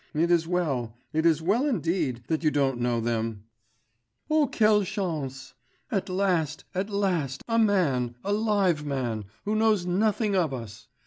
It is well, it is well indeed, that you don't know them. O quelle chance! at last, at last, a man, a live man, who knows nothing of us!